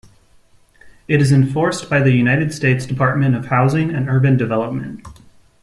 It is enforced by the United States Department of Housing and Urban Development.